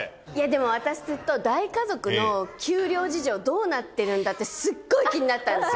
でも私ずっと大家族の給料事情どうなってるんだってすっごい気になってたんですよ。